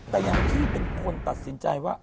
แต่อย่างพี่เป็นคนตัดสินใจว่า